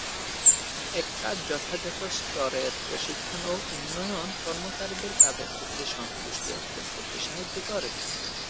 একটা যথাযথ স্তরের প্রশিক্ষণ ও উন্নয়ন কর্মচারীদের কাজের ক্ষেত্রে সন্তুষ্টি অর্জন করতে সাহায্য করে।